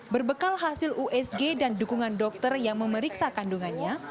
berbekal hasil usg dan dukungan dokter yang memeriksa kandungannya